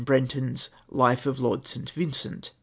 Breiitoii's ' Life of Lord St. Vincent."